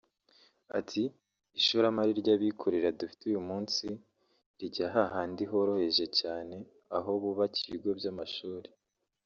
Ati “Ishoramari ry’abikorera dufite uyu munsi rijya hahandi horoheje cyane aho bubaka ibigo by’amashuri